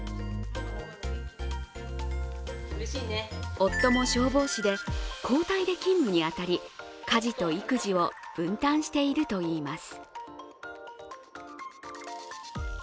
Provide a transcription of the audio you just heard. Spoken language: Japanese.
夫も消防士で、交代で勤務に当たり家事と育児を分担しているといいます。